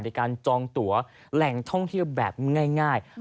ในการจองตัวแหล่งท่องเที่ยวแบบง่าย